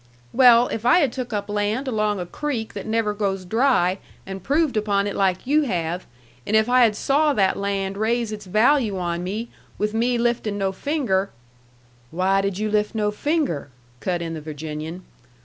"Well, if I had took up land along a creek that never goes dry and proved upon it like you have, and if I had saw that land raise its value on me with me lifting no finger " "Why did you lift no finger?" cut in the Virginian.